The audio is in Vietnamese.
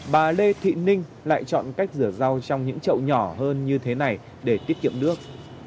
bà lê thị ninh lại chọn cách rửa rau trong những trậu nhỏ hơn như thế này để tiết kiệm nước